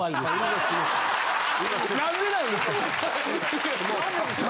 ・何でなんですか？